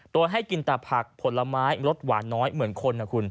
โดยให้กินแต่ผักผลไม้รสหวานน้อยเหมือนคนนะคุณ